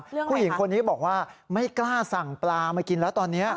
ผู้หญิงคนนี้บอกว่าไม่กล้าสั่งปลามากินแล้วตอนนี้